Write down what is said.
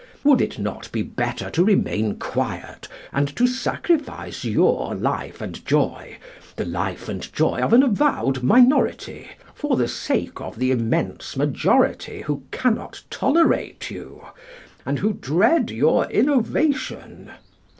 Would it not be better to remain quiet, and to sacrifice your life and joy, the life and joy of an avowed minority, for the sake of the immense majority who cannot tolerate you, and who dread your innovation?